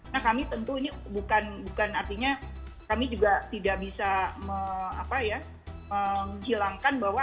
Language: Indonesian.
nah kami tentu ini bukan artinya kami juga tidak bisa menghilangkan bahwa